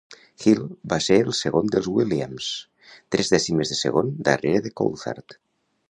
Hill va ser el segon dels Williams, tres dècimes de segon darrere de Coulthard.